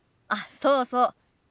あっそうそう。